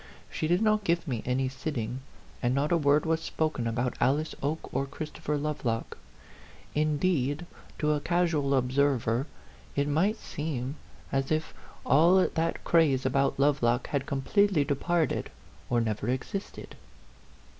She did not give me any sitting, and not a word was spoken about Alice Oke or Christopher Lovelock. Indeed, to a casual observer, it might have seemed as 76 A PHANTOM LOVER. if all that craze about Lovelock had com pletely departed, or never existed.